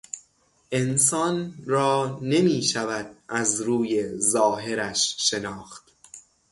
انسان را نمیشود از روی ظاهرش شناخت.